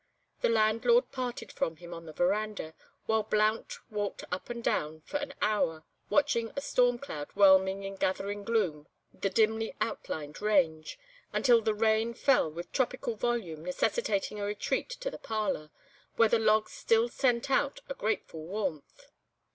The landlord parted from him on the verandah, while Blount walked up and down for an hour, watching a storm cloud whelming in gathering gloom the dimly outlined range, until the rain fell with tropical volume necessitating a retreat to the parlour, where the logs still sent out a grateful warmth.